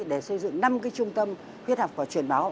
để xây dựng năm cái trung tâm huyết học và chuyển máu